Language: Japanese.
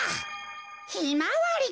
ひまわりか。